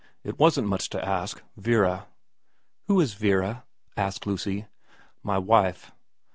It wasn't much to ask. Vera ' Who is Vera ?' asked Lucy. ' My wife.'